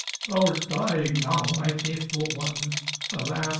Thou'rt dying now, my faithful one, Alas!